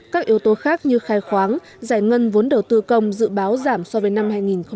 các yếu tố khác như khai khoáng giải ngân vốn đầu tư công dự báo giảm so với năm hai nghìn một mươi chín